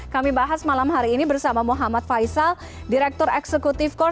kami bahas malam hari ini bersama muhammad faisal direktur eksekutif korp